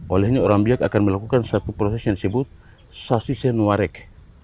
olehnya orang biak akan melakukan satu proses yang disebut sasi senuarek